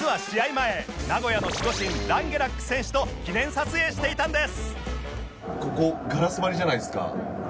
前名古屋の守護神ランゲラック選手と記念撮影していたんです